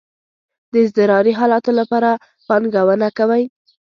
د اضطراری حالاتو لپاره پانګونه کوئ؟